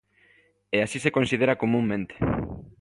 E así se considera comunmente.